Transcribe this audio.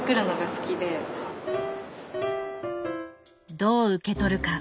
どう受け取るか。